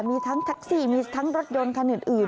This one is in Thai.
มีทั้งแท็กซี่มีทั้งรถยนต์คันอื่น